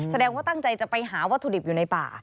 แสดงว่าตั้งใจจะไปหาวัตถุดิบอยู่ในป่า